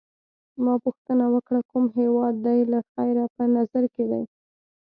ما پوښتنه وکړه: کوم هیواد دي له خیره په نظر کي دی؟